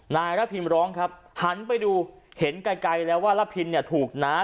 นายระพินร้องครับหันไปดูเห็นไกลแล้วว่าระพินเนี่ยถูกน้า